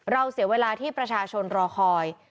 เสียเวลาที่ประชาชนรอคอย